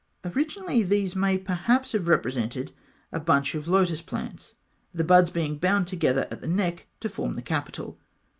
Originally these may perhaps have represented a bunch of lotus plants, the buds being bound together at the neck to form the capital.